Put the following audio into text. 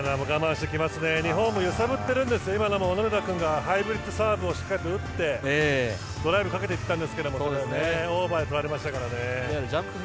日本も揺さぶってるんですけど小野寺君がハイブリッドサーブを打ってドライブでとらせたんですけどオーバーでとられましたからね。